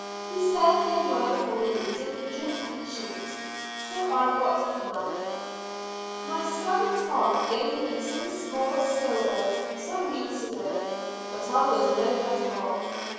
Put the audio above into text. He said they were for the indigent patients, so I got none. My son, Tom, gave me some small silver some weeks ago, but I was no better off.